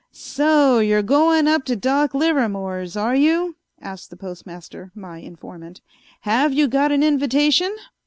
"So you're going up to Doc Livermore's, are you?" asked the Postmaster, my informant. "Have you got an invitation?"